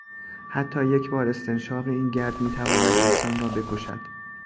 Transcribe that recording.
حتی یک بار استنشاق این گرد میتواند انسان را بکشد.